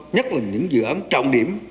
nhất là những dự án trọng điểm